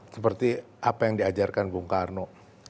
seperti apa yang diajarkan bung karno